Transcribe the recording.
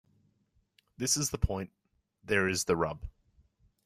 This is the point. There's the rub.